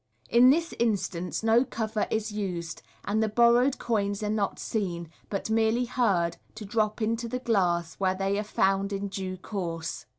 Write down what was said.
In this instance no cover is used, and the borrowed coins are not seen, bat merely heard, to drop into the glass, where they are found in due course.